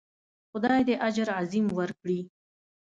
خدای دې اجر عظیم ورکړي.